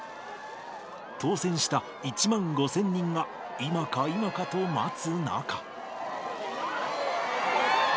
当せんした１万５０００人が今か、今かと待つ中。